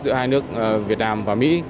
giữa hai nước việt nam và mỹ